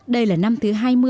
đây là năm thứ hai mươi